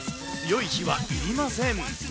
強い火はいりません。